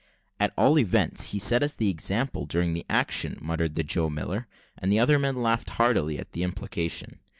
"At all events, he set us the example during the action," muttered the Joe Miller; and the other men laughed heartily at the implication.